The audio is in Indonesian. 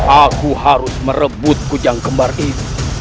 aku harus merebut hujan kembar ini